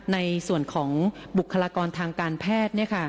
ในส่วนของบุคลากรทางการแพทย์